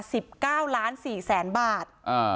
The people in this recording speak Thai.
สิบเก้าล้านสี่แสนบาทอ่า